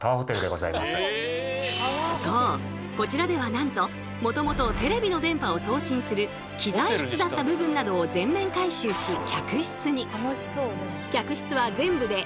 こちらではなんともともとテレビの電波を送信する機材室だった部分などを全面改修し客室に。